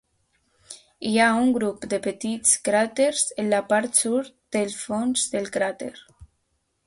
Hi ha un grup de petits cràters en la part sud del fons del cràter.